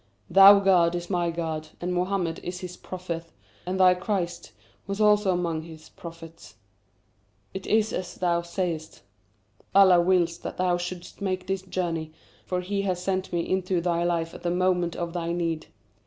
"Thy God is my God, and Mohammed is his Prophet, as thy Christ was also among his Prophets. It is as thou sayest; Allah wills that thou shouldst make this journey, for He has sent me into thy life at the moment of thy need.